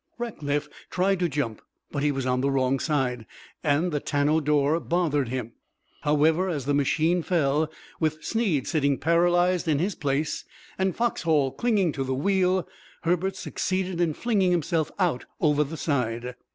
Rackliff tried to jump, but he was on the wrong side, and the tonneau door bothered him; however, as the machine fell, with Snead sitting paralyzed in his place and Foxhall clinging to the wheel, Herbert succeeded in flinging himself out over the side.